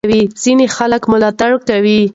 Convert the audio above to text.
ځینې خلک ملاتړ کوي.